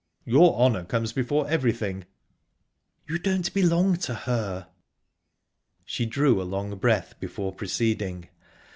"Your honour comes before everything." "You don't belong to her." She drew a long breath before proceeding..."